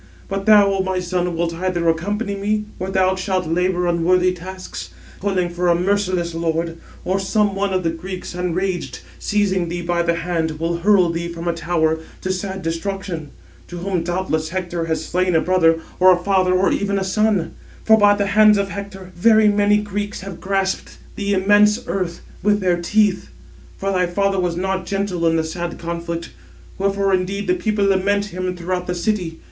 But thou, O my son, wilt either accompany me, where thou shalt labour unworthy tasks, toiling for a merciless lord; or some one of the Greeks, enraged, seizing thee by the hand, will hurl thee from a tower, to sad destruction; to whom doubtless Hector has slain a brother, or a father, or even a son; for by the hands of Hector very many Greeks have grasped the immense earth with their teeth. For thy father was not gentle in the sad conflict; wherefore indeed the people lament him throughout the city.